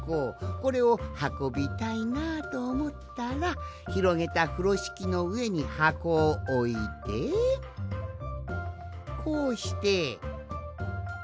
これをはこびたいなあとおもったらひろげたふろしきのうえにはこをおいてこうして。